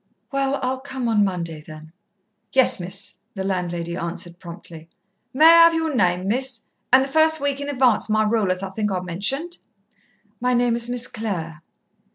"Well, I'll come on Monday, then." "Yes, Miss," the landlady answered promptly. "May I have your name, Miss? and the first week in advance my rule, as I think I mentioned." "My name is Miss Clare."